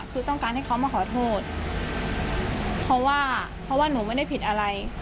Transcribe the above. คือต้องการให้เขามาขอโทษเพราะว่าเพราะว่าหนูไม่ได้ผิดอะไร